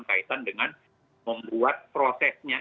perbaikan dengan membuat prosesnya